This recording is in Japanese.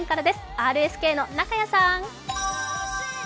ＲＳＫの中屋さん！